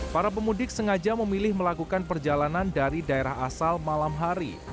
para pemudik sengaja memilih melakukan perjalanan dari daerah asal malam hari